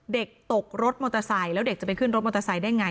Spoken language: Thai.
เด็กตกรถมอเตอร์ไซค์แล้วเด็กจะไปขึ้นรถมอเตอร์ไซค์ได้ไง